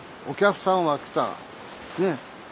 お客さんは来た。ね。